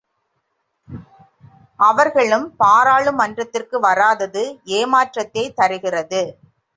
அவர்களும் பாராளுமன்றத்திற்கு வராதது ஏமாற்றத்தைத் தருகிறது.